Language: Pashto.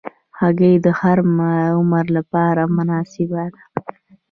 هګۍ د هر عمر لپاره مناسبه ده.